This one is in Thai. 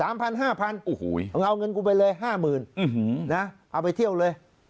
มึงเอาเงินกูไปเลย๕๐๐๐๐เอาไปเที่ยวเลย